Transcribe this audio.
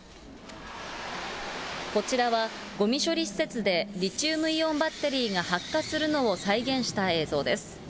こちらは、ごみ処理施設でリチウムイオンバッテリーが発火するのを再現した映像です。